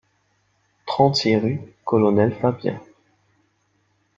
trente-six rue Colonel Fabien